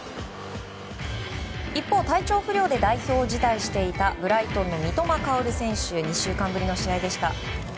一方、体調不良で代表を辞退していたブライトンの三笘薫選手２週間ぶりの試合でした。